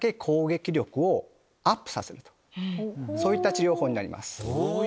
そういった治療法になります。